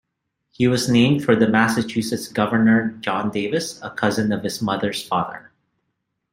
He was named for Massachusetts Governor John Davis, a cousin of his mother's father.